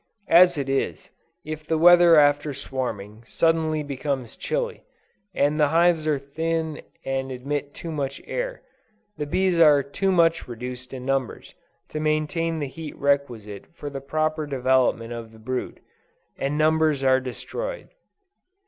As it is, if the weather after swarming, suddenly becomes chilly, and the hives are thin and admit too much air, the bees are too much reduced in numbers, to maintain the heat requisite for the proper development of the brood, and numbers are destroyed.